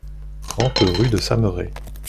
trente rue de Samerey